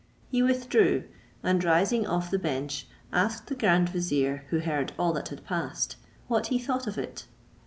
He withdrew, and rising off the bench, asked the grand vizier, who heard all that had passed, what he thought of it.